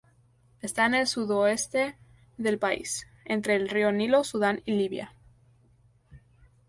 Está en el sudoeste del país, entre el río Nilo, Sudán y Libia.